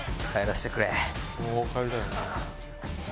帰りたい。